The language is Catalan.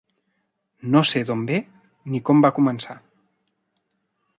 No sé d'on ve ni com va començar.